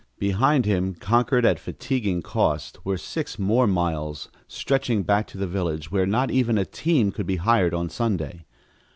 Behind him, conquered at fatiguing cost, were six more miles, stretching back to the village where not even a team could be hired on Sunday.